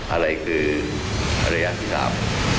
อะไรคือระดับ๑๓